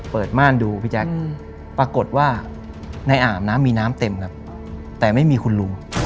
ม่านดูพี่แจ๊คปรากฏว่าในอ่างน้ำมีน้ำเต็มครับแต่ไม่มีคุณลุง